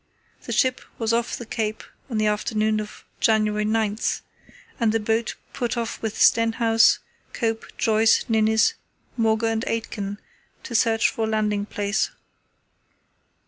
The ship was off the Cape on the afternoon of January 9, and a boat put off with Stenhouse, Cope, Joyce, Ninnis, Mauger, and Aitken to search for a landing place.